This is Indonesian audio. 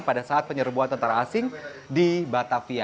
pada saat penyerbuan tentara asing di batavia